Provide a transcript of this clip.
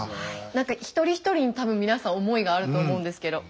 何か一人一人に多分皆さん思いがあると思うんですけど。